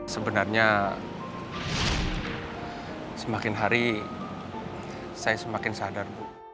sebenarnya semakin hari saya semakin sadar